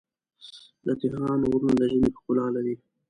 د تهران غرونه د ژمي ښکلا لري.